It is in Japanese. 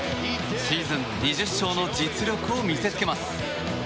シーズン２０勝の実力を見せつけます。